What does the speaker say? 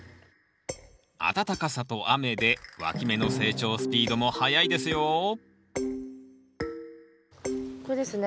暖かさと雨でわき芽の成長スピードも速いですよこれですね？